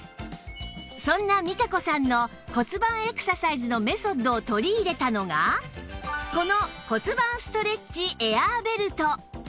そんな Ｍｉｃａｃｏ さんの骨盤エクササイズのメソッドを取り入れたのがこの骨盤ストレッチエアーベルト